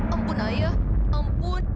ampun ayah ampun